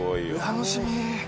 楽しみ。